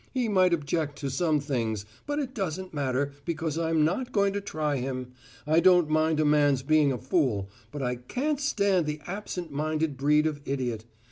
"He might object to some things but it doesn't matter, because I'm not going to try him. I don't mind a man's being a fool, but I can't stand the absent minded breed of idiot.